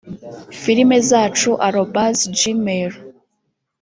filmzacu@gmail